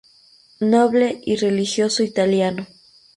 Noble y religioso italiano.